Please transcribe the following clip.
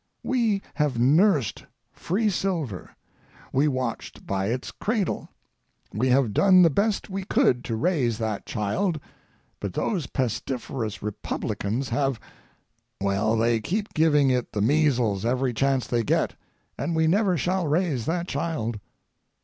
We have nursed free silver, we watched by its cradle; we have done the best we could to raise that child, but those pestiferous Republicans have—well, they keep giving it the measles every chance they get, and we never shall raise that child.